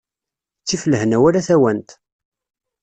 Ttif lehna wala tawant.